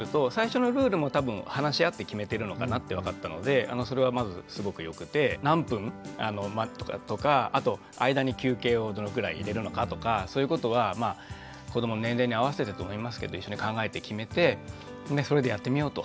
最初のルールも多分話し合って決めてるのかなって分かったのでそれはまずすごくよくて何分とかあと間に休憩をどのくらい入れるのかとかそういうことは子どもの年齢に合わせてと思いますけど一緒に考えて決めてそれでやってみようと。